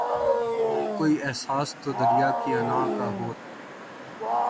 کوئی احساس تو دریا کی انا کا ہوت